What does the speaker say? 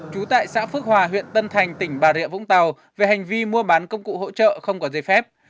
trú tại xã phước hòa huyện tân thành tỉnh bà rịa vũng tàu về hành vi mua bán công cụ hỗ trợ không có dây phép